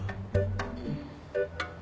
うん。